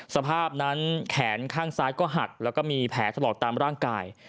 สภาพนั้นแขนข้างซ้ายก็หักแล้วก็มีแผลถลอกตามร่างกาย